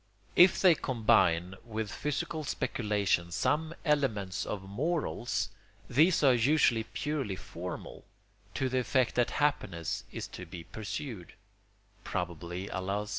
If they combine with physical speculation some elements of morals, these are usually purely formal, to the effect that happiness is to be pursued (probably, alas!